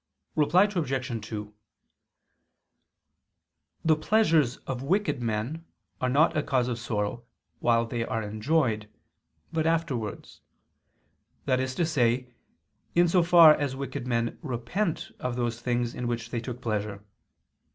Reply Obj. 2: The pleasures of wicked men are not a cause of sorrow while they are enjoyed, but afterwards: that is to say, in so far as wicked men repent of those things in which they took pleasure.